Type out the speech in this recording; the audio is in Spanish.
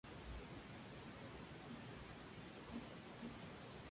Sin embargo, esta cree que hay salida.